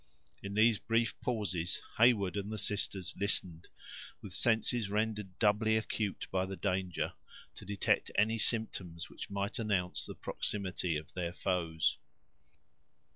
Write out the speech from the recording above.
In these brief pauses, Heyward and the sisters listened, with senses rendered doubly acute by the danger, to detect any symptoms which might announce the proximity of their foes.